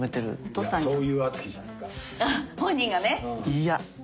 いや。